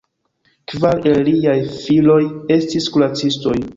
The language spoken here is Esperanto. Kvar el liaj filoj estis kuracistoj.